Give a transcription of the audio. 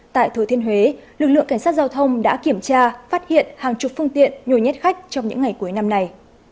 tại thừa thiên huế lực lượng cảnh sát giao thông đã kiểm tra phát hiện hàng chục phương tiện nhồi nhét khách trong những ngày cuối năm này